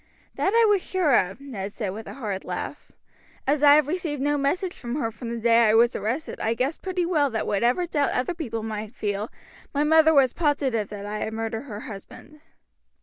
"That I was sure of," Ned said with a hard laugh. "As I have received no message from her from the day I was arrested I guessed pretty well that whatever doubt other people might feel, my mother was positive that I had murdered her husband."